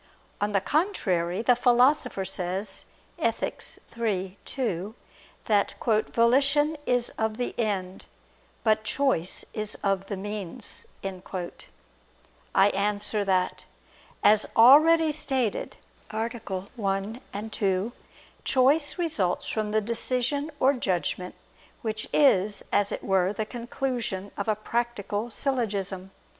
On the contrary, The Philosopher says (Ethic. iii, 2) that "volition is of the end, but choice of the means." I answer that, As already stated (A. 1, ad 2), choice results from the decision or judgment which is, as it were, the conclusion of a practical syllogism.